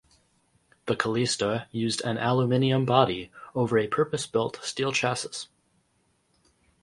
The Kallista used an aluminium body over a purpose-built steel chassis.